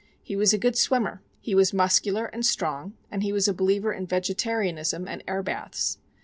He was a good swimmer; he was muscular and strong, and he was a believer in vegetarianism and air baths.